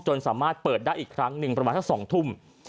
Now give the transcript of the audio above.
สามารถเปิดได้อีกครั้งหนึ่งประมาณสัก๒ทุ่ม